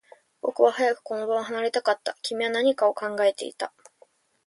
僕は早くこの場を離れたかった。君は何かを考えていた。